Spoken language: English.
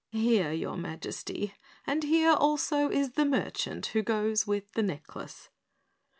"Here, your Majesty, and here also is the merchant who goes with the necklace."